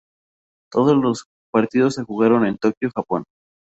Todos los partidos se jugaron en Tokyo, Japón.